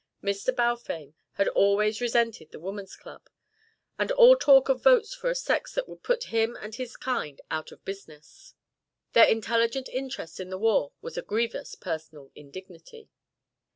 Mr. Balfame had always resented the Woman's Club, and all talk of votes for a sex that would put him and his kind out of business. Their intelligent interest in the war was a grievous personal indignity.